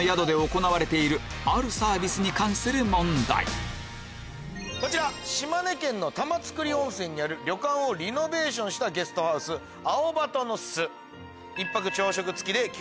続いてはこちら島根県の玉造温泉にある旅館をリノベーションしたゲストハウス翠鳩の巣。